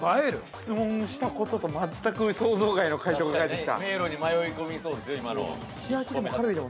質問したことと全く想像外の解答が返ってきた。